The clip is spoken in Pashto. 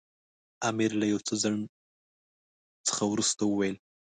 امیر له یو څه ځنډ څخه وروسته وویل.